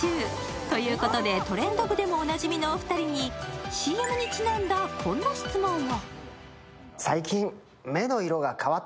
ということで「トレンド部」でもおなじみのお二人にＣＭにちなんだ、こんな質問を。